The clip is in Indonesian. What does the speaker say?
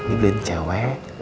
dibeli sama cewek